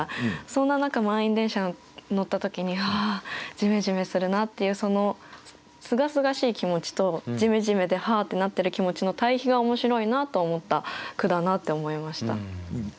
そんな中満員電車乗った時に「ああじめじめするな」っていうそのすがすがしい気持ちとじめじめで「はあ」ってなってる気持ちの対比が面白いなと思った句だなって思いました。